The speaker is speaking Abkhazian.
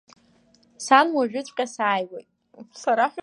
Сара уажәыҵәҟьа сааиуеит.